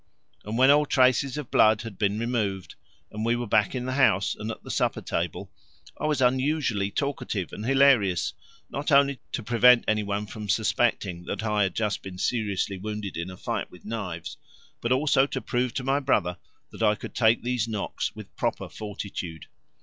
And when all traces of blood had been removed and we were back in the house and at the supper table, I was unusually talkative and hilarious, not only to prevent any one from suspecting that I had just been seriously wounded in a fight with knives, but also to prove to my brother that I could take these knocks with proper fortitude.